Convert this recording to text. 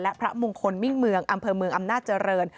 และพระมงคลมิ่งเมืองอำเภอเมืองอำนาจเจริญ